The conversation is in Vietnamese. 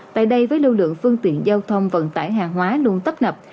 tại đây với lưu lượng phương tiện giao thông vận tải hàng hóa luôn tấp nập